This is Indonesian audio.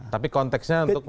tapi konteksnya untuk